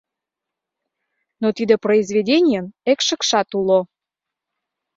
Но тиде произведенийын экшыкшат уло.